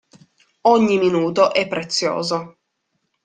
Ogni minuto è prezioso.